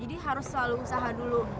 terus selalu usaha dulu